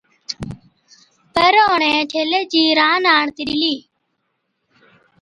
پر اِڻَھين ڇيلي چِي ران آڻتِي ڏِلِي